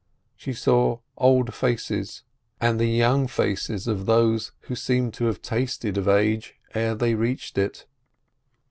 She saw old faces, and the young faces of those who seemed to have tasted of age ere they reached it.